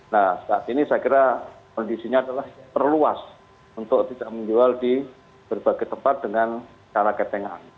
nah saat ini saya kira kondisinya adalah perluas untuk tidak menjual di berbagai tempat dengan cara ketengan